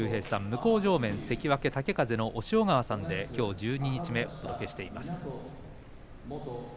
向正面が元関脇豪風の押尾川さんできょう十二日目お届けしています。